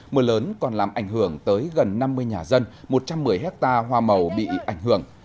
mưa lớn còn làm ảnh hưởng tới gần năm mươi nhà dân một trăm một mươi hectare hoa màu bị ảnh hưởng